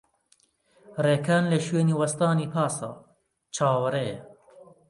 ڕێکان لە شوێنی وەستانی پاسە، چاوەڕێیە.